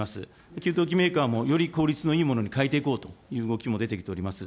給湯器メーカーもより効率のいいものに変えていこうという動きも出てきております。